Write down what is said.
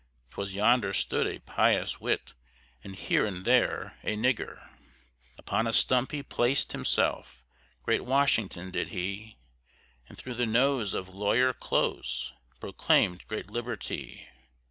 'Twas yonder stood a pious wight, And here and there a nigger. Upon a stump he placed (himself), Great Washington did he, And through the nose of lawyer Close, Proclaimed great Liberty.